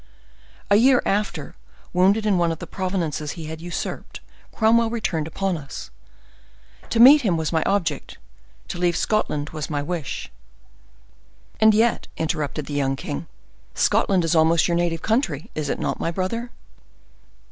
A year after, wounded in one of the provinces he had usurped, Cromwell returned upon us. To meet him was my object; to leave Scotland was my wish." "And yet," interrupted the young king, "Scotland is almost your native country, is it not, my brother?"